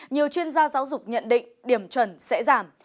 nhiều chuyên gia giáo dục nhận định điểm chuẩn sẽ giảm